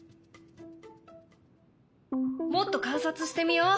もっと観察してみよう。